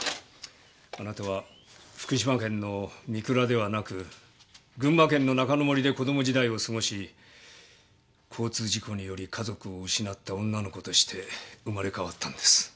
あなたは福島県の御倉ではなく群馬県の中之森で子供時代を過ごし交通事故により家族を失った女の子として生まれ変わったんです。